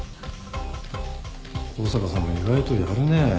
香坂さんも意外とやるね。